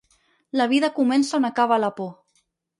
La vida comença on acaba la por.